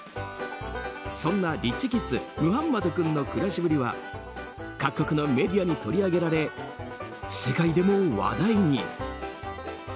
そんなリッチキッズムハンマド君の暮らしぶりは各国のメディアに取り上げられ世界でも話題に。